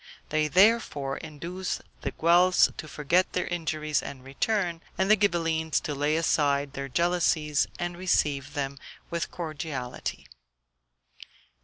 They therefore induced the Guelphs to forget their injuries and return, and the Ghibellines to lay aside their jealousies and receive them with cordiality.